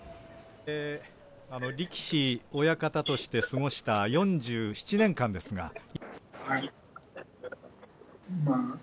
力士、親方として過ごした４７年間ですが。